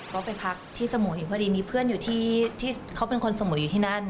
ก็ไปพักที่สมุยพอดีมีเพื่อนอยู่ที่เขาเป็นคนสมุยอยู่ที่นั่น